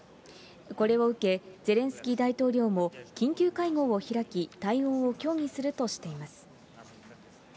これを受け、ゼレンスキー大統領も、緊急会合を開き、対応を協議するとしています。